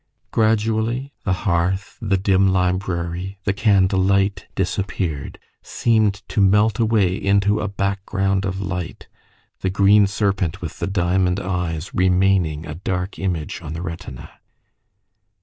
Gradually the hearth, the dim library, the candle light disappeared seemed to melt away into a background of light, the green serpent with the diamond eyes remaining a dark image on the retina.